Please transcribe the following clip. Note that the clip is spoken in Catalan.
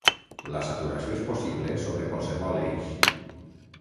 La saturació és possible sobre qualsevol eix.